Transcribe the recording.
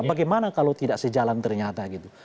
bagaimana kalau tidak sejalan ternyata gitu